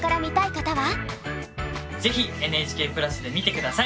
ぜひＮＨＫプラスで見て下さい。